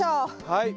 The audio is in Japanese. はい。